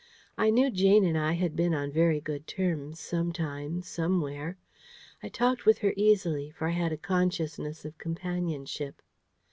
I knew Jane and I had been on very good terms, some time, somewhere. I talked with her easily, for I had a consciousness of companionship.